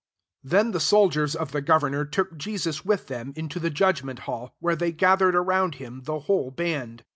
27 Then the soldiers of the governor took Jesus with them into the judgment hall, where they gathered around him the whole band.